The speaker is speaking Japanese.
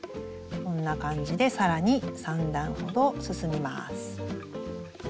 こんな感じで更に３段ほど進みます。